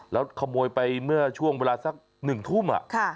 แล้วขโมยไปเมื่อช่วงเวลาสัก๑ทุ่ม